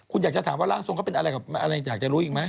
คุณอยากจะถามว่าร่างทรงเขาเป็นอะไรกับอะไรอยากจะรู้อีกไหม